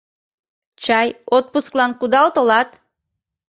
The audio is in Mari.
Чай, отпусклан кудал толат?